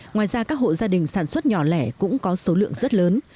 ngoài ra các hộ gia đình sản xuất nhỏ lẻ cũng có số lượng rất lớn